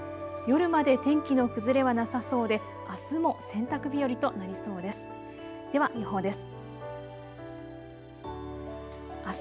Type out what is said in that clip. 夜まで天気の崩れはなさそうであすも洗濯日和となりそうです。